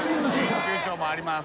研究長もあります。